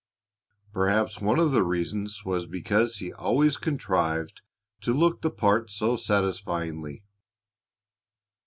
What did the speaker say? Perhaps one of the reasons was because he always contrived to look the part so satisfyingly.